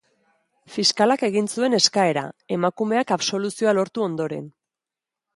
Fiskalak egin zuen eskaera, emakumeak absoluzioa lortu ondoren.